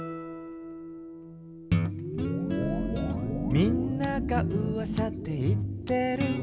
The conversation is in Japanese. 「みんながうわさでいってる」